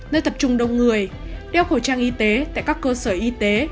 nơi tập trung đông người đeo khẩu trang y tế tại các cơ sở y tế